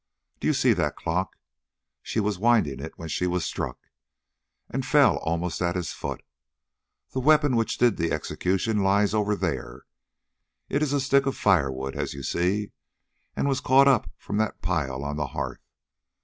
"Do you see that clock? She was winding it when she was struck, and fell almost at its foot. The weapon which did the execution lies over there; it is a stick of firewood, as you see, and was caught up from that pile on the hearth.